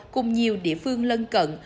cùng nhiều địa phương lân cận